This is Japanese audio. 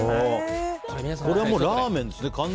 これは完全にラーメンですね。